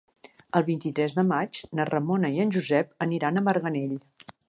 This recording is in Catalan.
El vint-i-tres de maig na Ramona i en Josep aniran a Marganell.